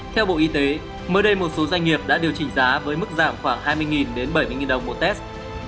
theo bộ y tế mới đây một số doanh nghiệp đã điều chỉnh giá với mức giảm khoảng hai mươi đến bảy mươi đồng một test